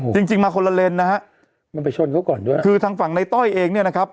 จริงจริงมาคนละเลนนะฮะมันไปชนเขาก่อนด้วยคือทางฝั่งในต้อยเองเนี่ยนะครับ